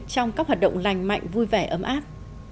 trong các hoạt động lành mạnh vui vẻ ấm áp